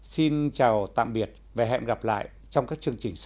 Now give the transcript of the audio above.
xin chào tạm biệt và hẹn gặp lại trong các chương trình sau